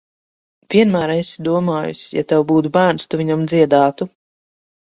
Vienmēr esi domājusi, ja tev būtu bērns, tu viņam dziedātu.